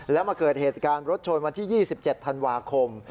แล้วมาเกิดเหตุการณ์รถชนวันที่๒๗ธันวาคม